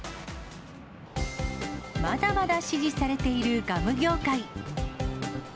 まだまだ支持されているガム業界。